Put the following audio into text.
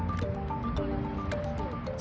saya juga punya data